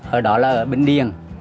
ở đó là ở bình điền